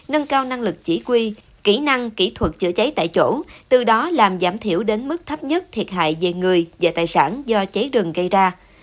nâng cao năng lực chỉ quy kỹ năng kỹ thuật chữa cháy tại chỗ từ đó làm giảm thiểu đến mức thấp nhất thiệt hại về người và tài sản do cháy rừng gây ra